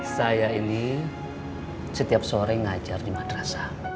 saya ini setiap sore ngajar di madrasah